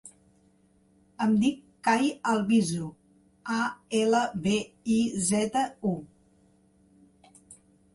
Em dic Cai Albizu: a, ela, be, i, zeta, u.